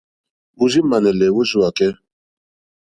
Ò rz-ímànɛ̀lè wórzíwàkɛ́.